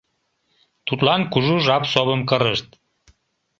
Тудлан кужу жап совым кырышт.